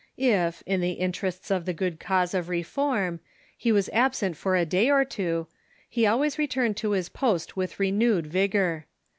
If, in the interests of the good cause of reform, he was absent for a day or two, he al ways returned to his post with renewed vigor.